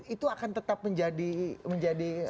itu akan tetap menjadi bayangan kita nggak bu an